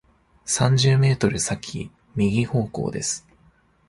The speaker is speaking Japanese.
三十メートル先、右方向です。